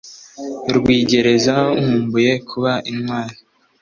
rwigerezaho nkumbuye kuba intwali,